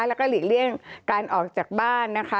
แล้วก็หลีกเลี่ยงการออกจากบ้านนะคะ